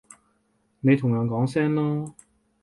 你同人哋講聲囉